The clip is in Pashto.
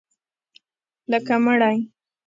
لکه مړی